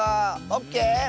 オッケー！